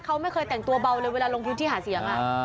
เขาไม่เคยแต่งตัวเบาเลยเวลาลงพื้นที่หาเสียง